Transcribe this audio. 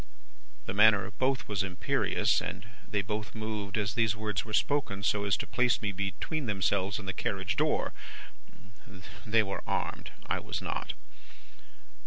"The manner of both was imperious, and they both moved, as these words were spoken, so as to place me between themselves and the carriage door. They were armed. I was not.